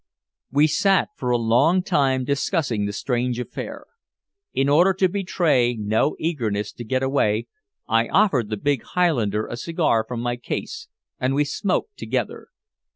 We sat for a long time discussing the strange affair. In order to betray no eagerness to get away, I offered the big Highlander a cigar from my case, and we smoked together.